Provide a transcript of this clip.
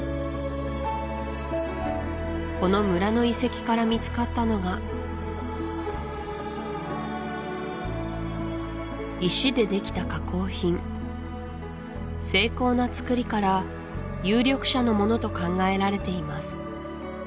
この村の遺跡から見つかったのが石でできた加工品精巧な作りから有力者のものと考えられています